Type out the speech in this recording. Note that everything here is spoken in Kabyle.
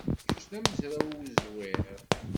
Kečč d amezraw uẓwir.